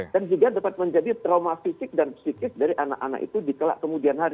dan juga dapat menjadi trauma fisik dan psikis dari anak anak itu di telak kemudian hari